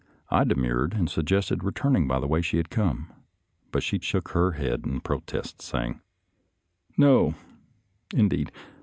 I de murred and suggested returning by the way she had come. But she shook her head in protest, saying, " No, indeed.